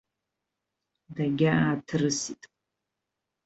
Дагьааҭрысит.